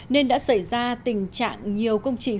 nên đã xảy ra tình trạng nhiều công trình